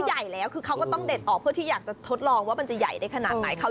ใหญ่กว่าปกติถึง๑๐เท่าอ่ะ